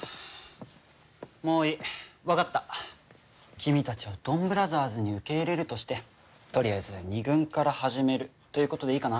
君たちをドンブラザーズに受け入れるとしてとりあえず二軍から始めるということでいいかな？